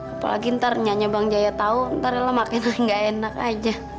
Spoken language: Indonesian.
apalagi ntar nyanya bang jaya tau ntar ella makin gak enak aja